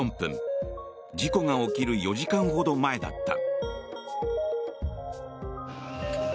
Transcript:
事故が起きる４時間ほど前だった。